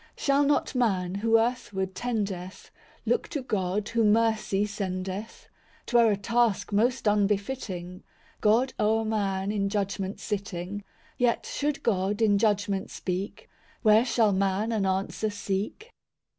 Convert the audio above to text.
III Shall not man, who earthward tendeth, Look to God, who mercy sendeth? 'Twere a task most unbefitting, God o'er man in judgment sitting— Yet should God in judgment speak, Where shall man an answer seek?